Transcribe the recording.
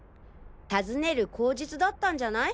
訪ねる口実だったんじゃない？